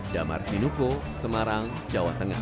damar sinuko semarang jawa tengah